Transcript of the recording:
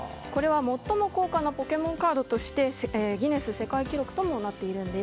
最も高価なポケモンカードとしてギネス世界記録ともなっています。